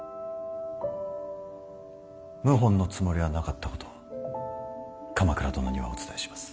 謀反のつもりはなかったこと鎌倉殿にはお伝えします。